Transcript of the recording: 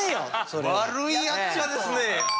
悪いやっちゃですね。